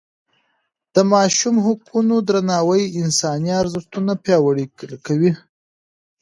د ماشوم حقونو درناوی انساني ارزښتونه پیاوړي کوي.